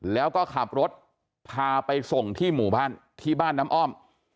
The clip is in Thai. แล้วก็ขับรถพาไปส่งที่หมู่บ้านที่บ้านน้ำอ้อม